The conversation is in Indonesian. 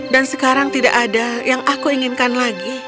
dan sekarang tidak ada yang aku inginkan lagi